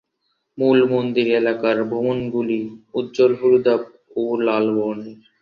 মূল মন্দির এলাকার ভবনগুলি উজ্জ্বল হলুদাভ ও লাল বর্ণের।